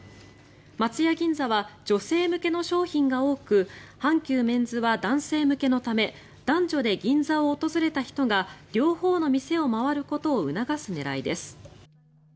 松屋銀座は女性向けの商品が多く阪急メンズは男性向けのため男女で銀座を訪れた人が両方の店を回ることを促す狙いです。